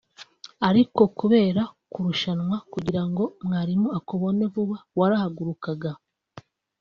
ariko kubera kurushanwa kugirango mwarimu akubone vuba warahagurukaga